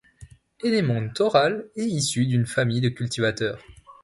Ennemond Thoral est issu d’une famille de cultivateurs.